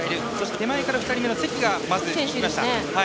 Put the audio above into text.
手前から２人目の関がきました。